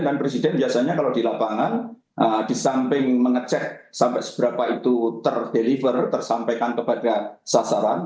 dan presiden biasanya kalau di lapangan disamping mengecek sampai seberapa itu ter deliver tersampaikan kepada sasaran